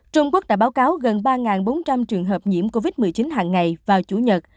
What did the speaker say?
trung quốc đã báo cáo gần ba bốn trăm linh trường hợp nhiễm covid một mươi chín hàng ngày vào chủ nhật